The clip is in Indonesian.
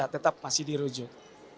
tetap masih dirujuk